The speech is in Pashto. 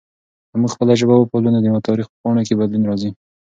که موږ خپله ژبه وپالو نو د تاریخ په پاڼو کې بدلون راځي.